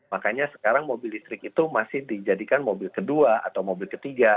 makanya sekarang mobil listrik itu masih dijadikan mobil kedua atau mobil ketiga